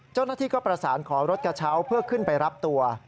เจ้าหน้าที่ก็ประสานขอรถกระเช้าเพื่อขึ้นไปรับตัว